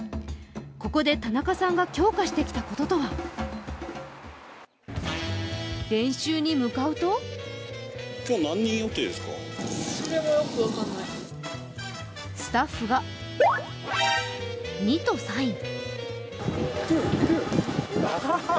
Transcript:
ここで田中さんが強化してきたこととは練習に向かうとスタッフが「２」とサイン。